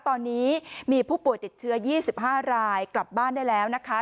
ตอนนี้มีผู้ป่วยติดเชื้อ๒๕รายกลับบ้านได้แล้วนะคะ